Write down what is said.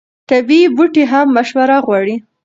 طبیعي بوټي هم مشوره غواړي.